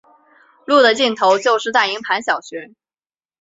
路的尽头就是大营盘小学。